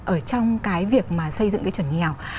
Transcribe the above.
ở trong cái việc mà xây dựng cái chuẩn nghèo